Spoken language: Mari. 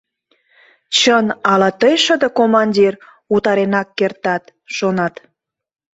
«Чын, ала тый, шыде командир, утаренак кертат?» – шонат.